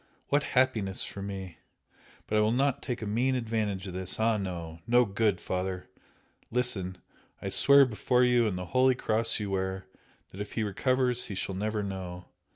What happiness for me! But I will not take a mean advantage of this ah, no! no good, Father! Listen! I swear before you and the holy Cross you wear, that if he recovers he shall never know!